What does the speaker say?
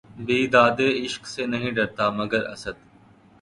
بیدادِ عشق سے نہیں ڈرتا، مگر اسد!